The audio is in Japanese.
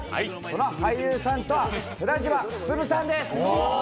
その俳優さんとは寺島進さんです。